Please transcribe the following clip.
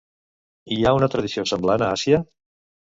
Hi ha una tradició semblant a Àsia?